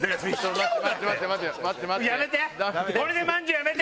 やめて！